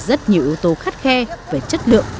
rất nhiều yếu tố khắt khe về chất lượng